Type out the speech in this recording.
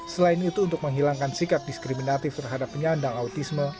selain itu untuk menghilangkan sikap diskriminatif terhadap penyandang autisme